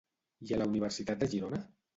I a la Universitat de Girona?